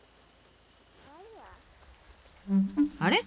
あれ？